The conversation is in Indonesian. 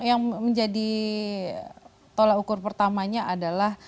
yang menjadi tolak ukur pertamanya adalah